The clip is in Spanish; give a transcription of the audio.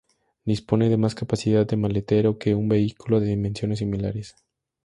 Dispone de más capacidad de maletero que un vehículo de dimensiones similares.